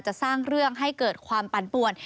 จะสร้างเรื่องให้เกิดความปั่นป่วน